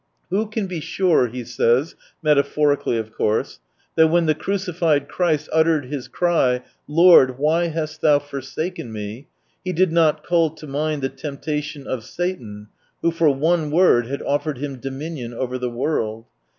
Who can be sure, he says — metaphorically, of course — that when the crucified Christ uttered His cry :" Lord, why hast thou forsaken me ?" He did not call to mind the temptation of Satan, who for one word had offered Him dominion over the world